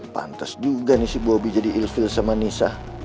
pantes juga nih si bobby jadi ilfil sama nisa